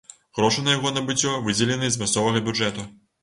Грошы на яго набыццё выдзеленыя з мясцовага бюджэту.